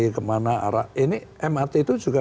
kemana arah ini mrt itu juga